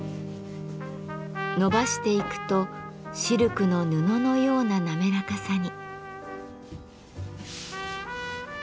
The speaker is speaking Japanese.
のばしていくとシルクの布のような滑らかさに。